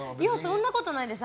そんなことないです。